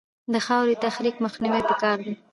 د خاورې تخریب مخنیوی پکار دی